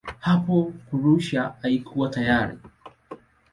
Hapo Prussia haikuwa tayari.